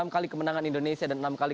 enam kali kemenangan indonesia dan enam kali